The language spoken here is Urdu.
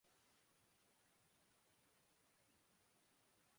مذہب کے پس منظر میں جب ایک امت وجود میں آتی ہے۔